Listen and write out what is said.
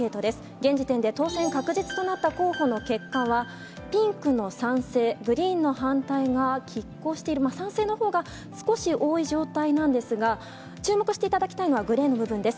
現時点で当選確実となった候補の結果は、ピンクの賛成、グリーンの反対がきっ抗している、賛成のほうが少し多い状態なんですが、注目していただきたいのは、グレーの部分です。